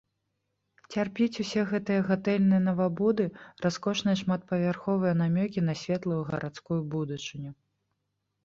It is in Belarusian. Цярпіць усе гэтыя гатэльныя навабуды, раскошныя шматпавярховыя намёкі на светлую гарадскую будучыню.